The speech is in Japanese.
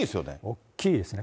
大きいですね。